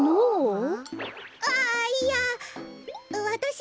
あいやわたし